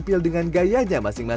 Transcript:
kalau ikannya yang di